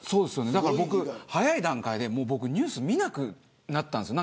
僕、早い段階でニュースを見なくなったんです。